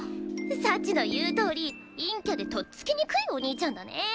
幸の言うとおり陰キャでとっつきにくいお兄ちゃんだね。